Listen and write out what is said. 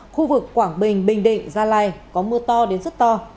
khu vực quảng bình bình định gia lai có mưa to đến rất to